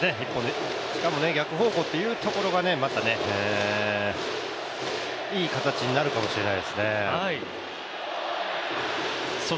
しかも逆方向というところがね、またね、いい形になるかもしれないですね。